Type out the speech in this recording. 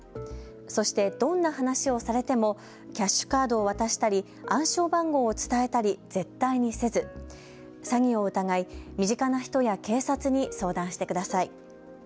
そして、どんな話をされてもキャッシュカードを渡したり暗証番号を伝えたり絶対にせず詐欺を疑い身近な人や警察に相談してください。